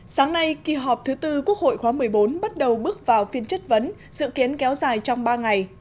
sáng nay kỳ họp thứ tư quốc hội khóa một mươi bốn bắt đầu bước vào phiên chất vấn dự kiến kéo dài trong ba ngày